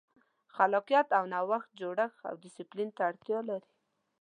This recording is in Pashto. خلاقیت او نوښت جوړښت او ډیسپلین ته اړتیا لري.